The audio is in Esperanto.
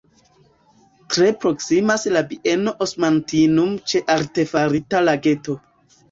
Tre proksimas la bieno "Osmantinum" ĉe artefarita lageto.